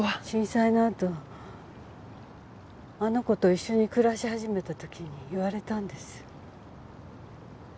震災のあとあの子と一緒に暮らし始めた時に言われたんです。